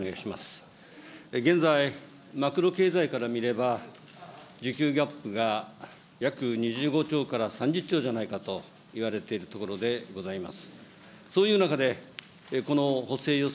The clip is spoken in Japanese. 現在、マクロ経済から見れば、需給ギャップが約２０億丁から３０億丁ではないか言われているのであります。